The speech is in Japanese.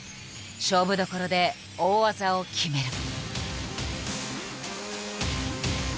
勝負どころで大技を決める。